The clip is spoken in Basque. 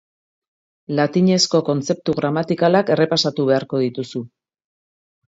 Latinezko kontzeptu gramatikalak errepasatu beharko dituzu.